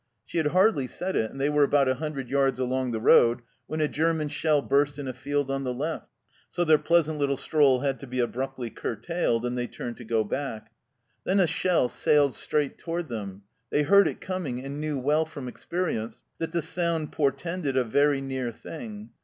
She had hardly said it, and they were about a hundred yards along the road, when a German shell burst in a field on the left ; so their pleasant little stroll had to be abruptly curtailed, and they turned to go back. Then a shell sailed straight toward them. They heard it coming, and knew well from experience that the sound portended a very near thing.